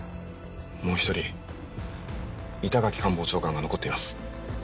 もう１人板垣官房長官が残っています。